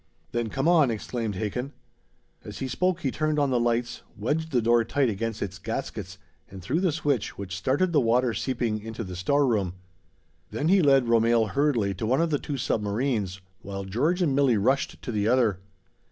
"Then come on!" exclaimed Hakin. As he spoke he turned on the lights, wedged the door tight against its gaskets and threw the switch which started the water seeping into the storeroom; then he led Romehl hurriedly to one of the two submarines, while George and Milli rushed to the other.